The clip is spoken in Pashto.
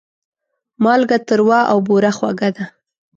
مالګه تروه او بوره خوږه ده.